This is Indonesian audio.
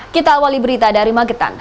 kita awali berita dari magetan